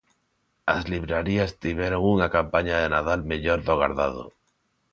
As librarías tiveron unha campaña de Nadal mellor do agardado.